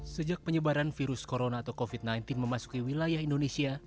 sejak penyebaran virus corona atau covid sembilan belas memasuki wilayah indonesia